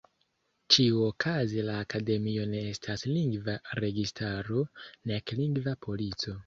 Ĉiuokaze la Akademio ne estas lingva registaro, nek lingva polico.